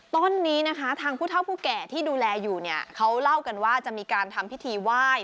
ต้นนี้นะคะทางผู้เท่าผู้แก่ที่ดูแลอยู่เนี่ยเขาเล่ากันว่าจะมีการทำพิธีไหว้